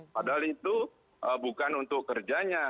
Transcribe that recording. padahal itu bukan untuk kerjanya